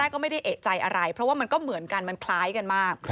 ก็ไม่ได้เอกใจอะไรเพราะว่ามันก็เหมือนกันมันคล้ายกันมาก